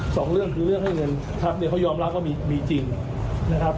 สองเรื่องคือเรื่องให้เงินครับเนี่ยเขายอมรับว่ามีมีจริงนะครับ